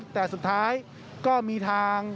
แต่สุดท้ายก็มีทาง